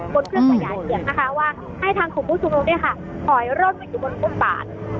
บนเครื่องประหย่าเสียงนะคะให้ทางคุณผู้ชุมรมถอยรถอยู่บนภูมิภาษา